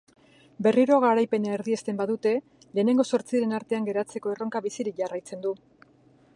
Berriro garaipena erdiesten badute lehengo zortziren artean geratzeko erronka bizirik jarraituko du.